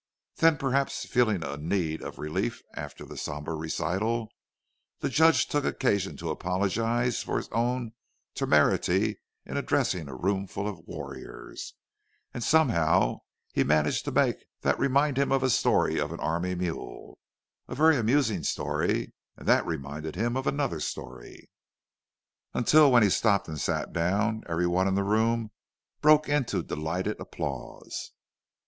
Then, perhaps feeling a need of relief after the sombre recital, the Judge took occasion to apologize for his own temerity in addressing a roomful of warriors; and somehow he managed to make that remind him of a story of an army mule, a very amusing story; and that reminded him of another story, until, when he stopped and sat down, every one in the room broke into delighted applause.